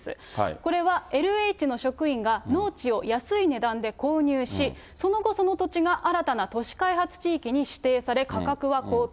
これはＬＨの職員が農地を安い値段で購入し、その後、その土地が新たな都市開発地域に指定され、価格は高騰。